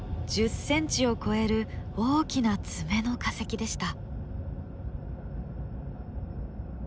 １０ｃｍを超える大きな爪の化石でした。